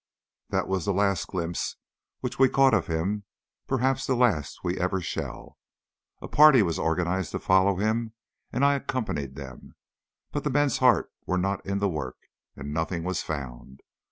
That was the last glimpse which we caught of him perhaps the last we ever shall. A party was organised to follow him, and I accompanied them, but the men's hearts were not in the work, and nothing was found.